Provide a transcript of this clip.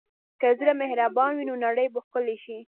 که زړه مهربان وي، نو نړۍ به ښکلې شي.